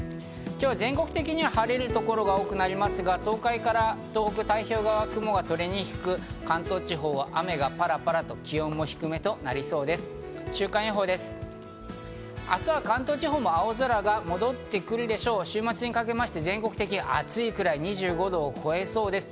今日は全国的に晴れる所が多くなりますが、東海から東北太平洋側、雲が取れにくく、関東地方は雨がパラパラと、そして気温が低めとなりそうです。